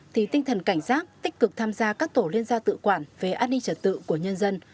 thì tinh thần cảnh giác tích cực tham gia các tổ liên gia tự quản về an ninh trật tự của nhân dân